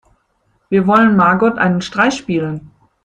Wir wollen Margot einen Streich spielen.